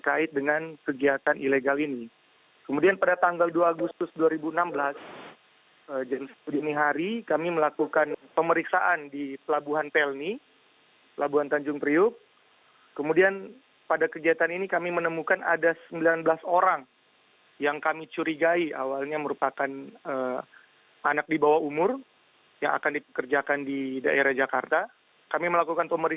bagaimana sebenarnya kronologi penyelamatan belasan anak yang diduga menjadi korban eksploitasi anak ini